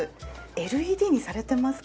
ＬＥＤにされてますか？